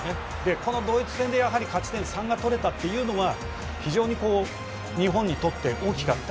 このドイツ戦でやはり勝ち点３が取れたというのは非常に日本にとって大きかった。